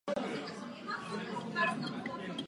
Nejprve byl určen pro kněžskou dráhu.